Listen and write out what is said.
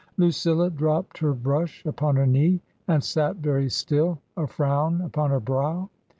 Lucilla dropped her brush upon her knee and sat very still, a frown upon her brow.